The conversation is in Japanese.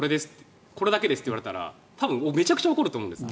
これだけですって言われたら多分、めちゃくちゃ怒ると思うんです。